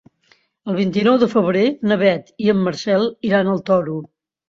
El vint-i-nou de febrer na Beth i en Marcel iran al Toro.